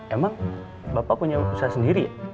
emang bapak punya usaha sendiri